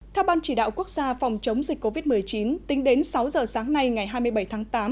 theo ban chỉ đạo quốc gia phòng chống dịch covid một mươi chín tính đến sáu giờ sáng nay ngày hai mươi bảy tháng tám